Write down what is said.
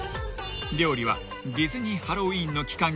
［料理はディズニー・ハロウィーンの期間